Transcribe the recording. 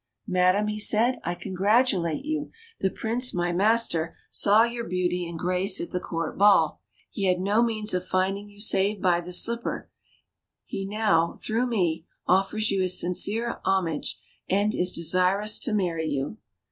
" Madam," he said, "■ I congratulate you. The Prince, my master, saw your beauty and grace at the court ball ; he had no means of finding you save by this slipper ; he now, through me, offers you his sincere homage, and is desirous to marry you."